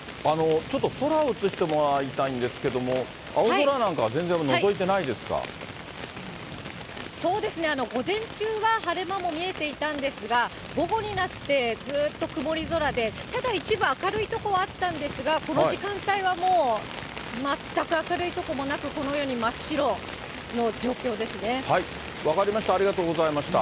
ちょっと空を映してもらいたいんですけれども、青空なんか、そうですね、午前中は晴れ間も見えていたんですが、午後になって、ずっと曇り空で、ただ一部、明るい所あったんですが、この時間帯はもう全く明るい所もなく、分かりました、ありがとうございました。